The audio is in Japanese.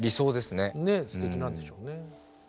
すてきなんでしょうね。